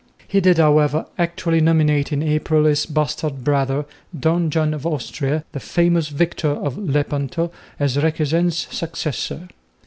He did, however, actually nominate in April his bastard brother, Don John of Austria, the famous victor of Lepanto, as Requesens' successor.